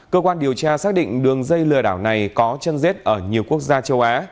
cơ quan điều tra xác định đường dây lừa đảo này có chân rết ở nhiều quốc gia châu á